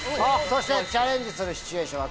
そしてチャレンジするシチュエーション